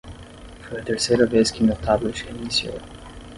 Foi a terceira vez que meu tablet reiniciou.